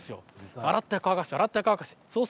洗って乾かす、洗って乾かす。